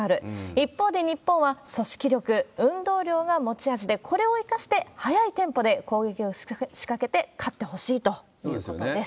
一方で日本は組織力、運動量が持ち味で、これを生かして速いテンポで攻撃を仕掛けて勝ってほしいというこそうですよね。